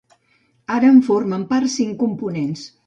Ara en formen part cinc components.